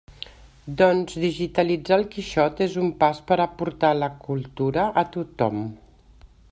Doncs digitalitzar el Quixot és un pas per a portar la cultura a tothom.